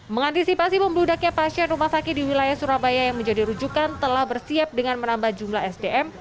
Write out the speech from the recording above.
mengantisipasi membludaknya pasien rumah sakit di wilayah surabaya yang menjadi rujukan telah bersiap dengan menambah jumlah sdm